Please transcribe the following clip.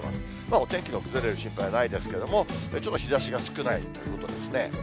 お天気の崩れる心配はないですけども、ちょっと日ざしが少ないということですね。